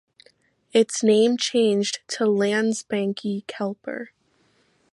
Its name changed to Landsbanki Kepler.